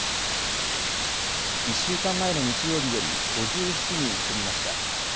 １週間前の日曜日より５７人減りました。